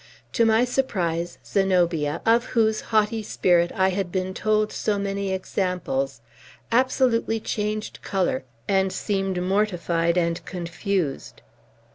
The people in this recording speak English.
To my surprise, Zenobia of whose haughty spirit I had been told so many examples absolutely changed color, and seemed mortified and confused.